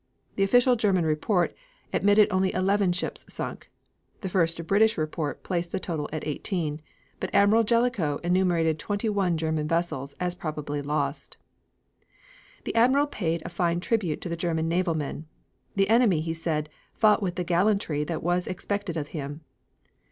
The official German report admitted only eleven ships sunk; the first British report placed the total at eighteen, but Admiral Jellicoe enumerated twenty one German vessels as probably lost. The Admiral paid a fine tribute to the German naval men: "The enemy," he said, "fought with the gallantry that was expected of him.